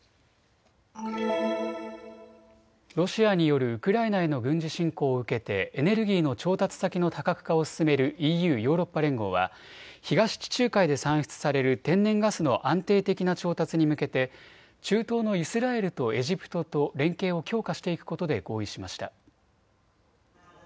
ロシアによるウクライナへの軍事侵攻を受けてエネルギーの調達先の多角化を進めるＥＵ・ヨーロッパ連合は東地中海で産出される天然ガスの安定的な調達に向けて中東のイスラエルとエジプトと連携を強化していくことで合意しました。